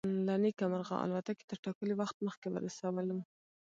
له نیکه مرغه الوتکې تر ټاکلي وخت مخکې ورسولو.